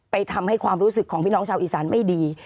ทำให้ความรู้สึกของพี่น้องชาวอีสานไม่ดี